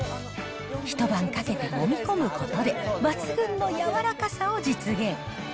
一晩かけてもみ込むことで、抜群の柔らかさを実現。